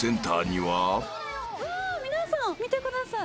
皆さん見てください。